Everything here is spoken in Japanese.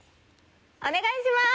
お願いしまーす！